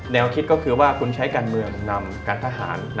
แนวคิดก็คือว่าคุณใช้การเมืองนำการทหาร